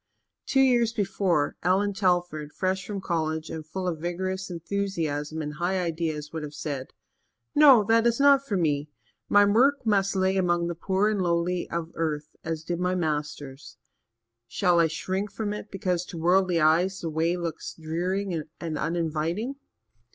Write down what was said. Two years before, Allan Telford, fresh from college and full of vigorous enthusiasm and high ideas, would have said: "No, that is not for me. My work must lie among the poor and lowly of earth as did my Master's. Shall I shrink from it because, to worldly eyes, the way looks dreary and uninviting?"